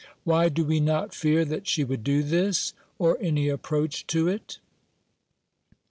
Why do we not fear that she would do this, or any approach to it?